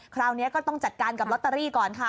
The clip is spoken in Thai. คราวนี้ก็ต้องจัดการกับลอตเตอรี่ก่อนค่ะ